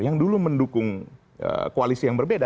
yang dulu mendukung koalisi yang berbeda